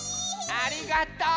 ありがとう！